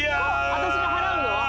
私が払うの？